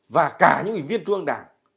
và cả những ủy viên chuông đảng